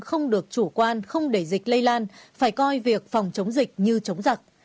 không được chủ quan không để dịch lây lan phải coi việc phòng chống dịch như chống giặc